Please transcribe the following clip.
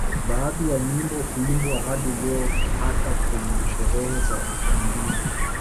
Baadhi ya nyimbo huimbwa hadi leo hata kwenye sherehe za ukumbini